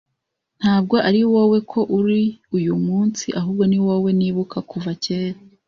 Ntabwo ariwowe ko uri uyumunsi, ahubwo niwowe nibuka kuva kera.